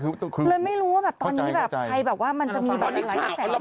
เรนไม่รู้ว่าตอนนี้ใครบอกว่ามันจะมีบันเลข